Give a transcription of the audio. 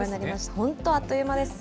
本当、あっという間です。